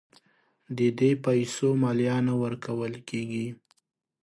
د دې پیسو مالیه نه ورکول کیږي.